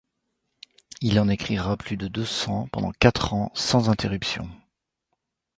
Il en écrira plus de deux cents pendant quatre ans sans interruption.